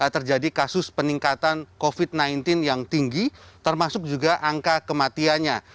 terjadi kasus peningkatan covid sembilan belas yang tinggi termasuk juga angka kematiannya